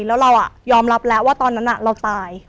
แล้วเรายอมรับแล้วว่าตอนนั้นเราตาย